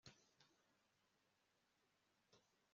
mutagatifu, ngo aze avugurure